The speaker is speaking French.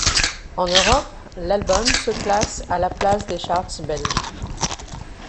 En Europe, l'album se classe à la place des charts belge.